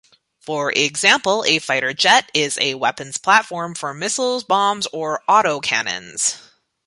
For example, a fighter jet is a weapons platform for missiles, bombs or autocannons.